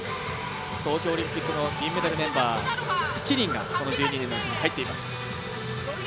東京オリンピックの銀メダルメンバー、７人がこの１２人のうちに入っています。